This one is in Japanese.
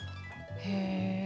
へえ。